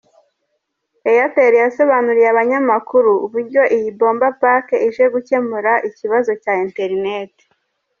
Airtel yasobanuriye abanyamakuru uburyo iyi Bomba pack ije gukemura ikibazo cya interineti .